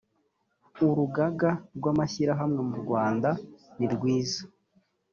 urugaga rw amashyirahamwe murwanda nirwiza